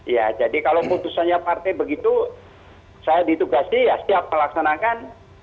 ya jadi kalau putusannya partai begitu saya ditugasi ya siap melaksanakan